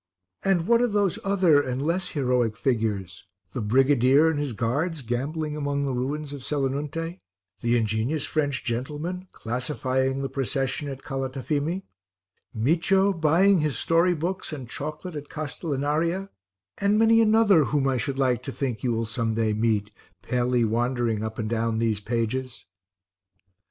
And what of those other and less heroic figures the brigadier and his guards gambling among the ruins of Selinunte, the ingenious French gentleman classifying the procession at Calatafimi, Micio buying his story books and chocolate at Castellinaria, and many another whom I should like to think you will some day meet, palely wandering up and down these pages?